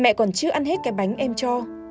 mẹ còn chưa ăn hết cái bánh em cho